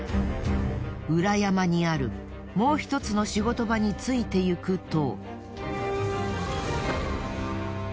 裏山にあるもう１つの仕事場についていくと。